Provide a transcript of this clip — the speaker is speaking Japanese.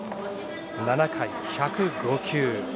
７回、１０５球。